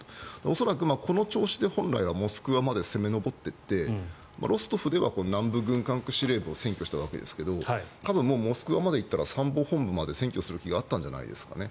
恐らくこの調子で、本来はモスクワまで攻め上っていってロストフでは南部軍管区司令部を占拠したわけですがもうモスクワまで行ったら参謀本部まで占拠する気があったんじゃないですかね。